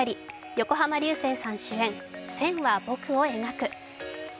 横浜流星さん主演「線は、僕を描く」。